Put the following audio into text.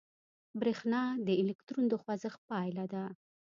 برېښنا د الکترون د خوځښت پایله ده.